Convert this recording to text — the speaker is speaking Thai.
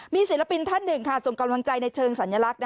มีศิลปินท่านหนึ่งส่งกำลังใจในเชิงสัญลักษณ์